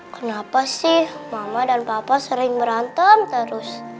kenapa sih mama dan papa sering berantem terus